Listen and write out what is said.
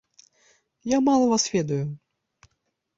Я мала вас ведаю.